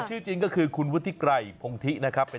ชื่อคุณอาม